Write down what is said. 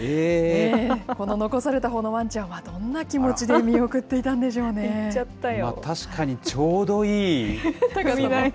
この残されたほうのわんちゃんはどんな気持ちで見送っていたんで行っちゃったよ。